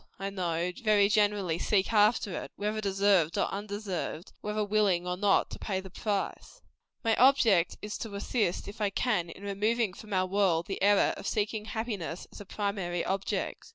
I know, very generally seek after it, whether deserved or undeserved; and whether willing or not to pay the price. My object is to assist, if I can, in removing from our world the error of seeking happiness as a primary object.